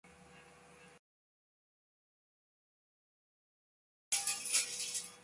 El "Huáscar" continuó sólo.